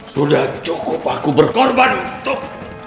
sudah cukup aku berkorban untuk